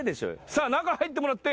さあ中入ってもらって。